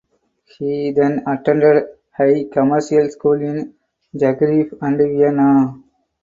He then attended high commercial school in Zagreb and Vienna.